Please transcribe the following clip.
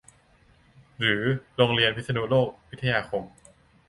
หรือโรงเรีบยพิษณุโลกพิทยาคม